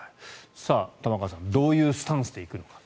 玉川さんどういうスタンスで行くのか。